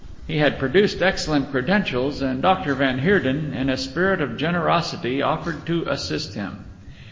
He had produced excellent credentials, and Dr. van Heerden, in a spirit of generosity, offered to assist him.